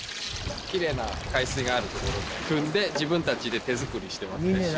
きれいな海水がある所でくんで自分たちで手作りしてますね塩。